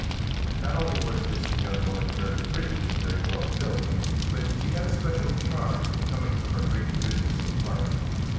Not only was this young woman very pretty and very well built, but she had a special charm coming from her great goodness of heart.